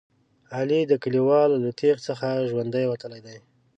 علي د کلیوالو له تېغ څخه ژوندی وتلی دی.